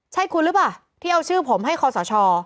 ใช่คุณหรือเปล่าที่เอาชื่อผมให้คอสช